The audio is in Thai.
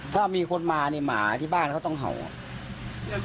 ถ้ามีคนมาเนี่ยหมาที่บ้านเขาต้องเห่าอ่ะ